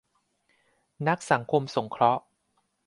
นักสังคมสงเคราะห์